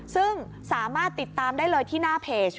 ซึ่งสามารถติดตามได้เลยที่หน้าเพจ